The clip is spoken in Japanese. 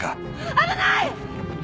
危ない！